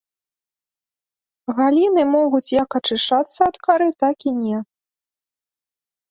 Галіны могуць як ачышчацца ад кары, так і не.